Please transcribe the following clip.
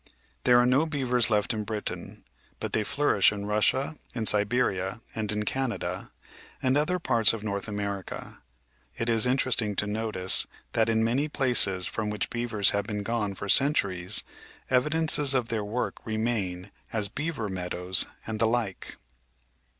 There are no beavers left in Britain, but they flourish in Russia, in Siberia, and in Canada and other parts of North America. It is interesting to notice that in many places from which beavers have been gone for centuries, evidences of their work remain as "beaver meadows'* and the like.